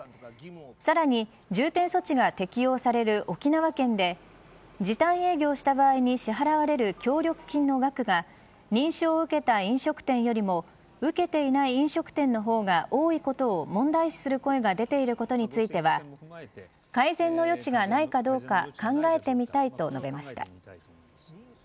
さらに重点措置が適用される沖縄県で時短営業した場合に支払われる協力金の額が認証を受けた飲食店よりも受けていない飲食店の方が多いことを問題視する声が出ていることについては改善の余地がないかどうか考えてみたいと述べました。